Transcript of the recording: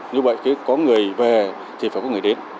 như vậy có người về thì phải có người đến